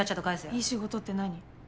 いい仕事って何？